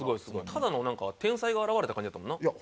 ただのなんか天才が現れた感じやったもんな。